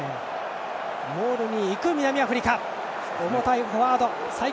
モールに行く南アフリカ。